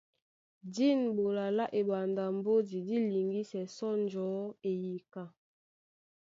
Dîn ɓola lá eɓanda mbódi dí liŋgísɛ sɔ́ njɔ̌ eyeka.